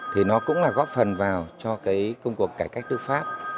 thì nó cũng là góp phần vào cho cái công cuộc cải cách tư pháp